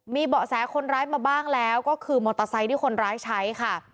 มีเบาะแสคนร้ายมาบ้างแล้วก็คือมอเตอร์ไซค์ที่คนร้ายใช้ค่ะ